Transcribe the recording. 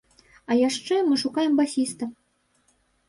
А яшчэ мы шукаем басіста.